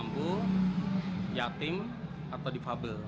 mampu yatim atau defable